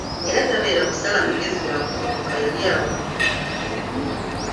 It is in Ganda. Era tabeera kusala magezi ga kudduka yali afudde.